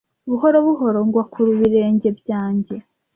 buhoro buhoro ngwa ku birenge byanjye